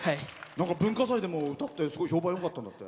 文化祭でも歌って、すごい評判よかったんだって？